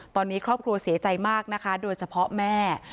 ตอนนี้ครอบครัวเสียใจมากนะคะโดยเฉพาะแม่